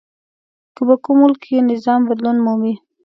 که په کوم ملک کې نظام بدلون ومومي.